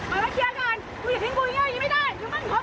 มันไม่ได้มันเพราะกู